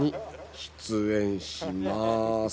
「出演しまーす！」